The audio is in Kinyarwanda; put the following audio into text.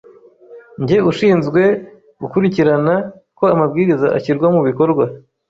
nijye ushinzwe gukurikirana ko amabwiriza ashyirwa mu bikorwa.